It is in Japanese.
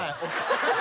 ハハハハ！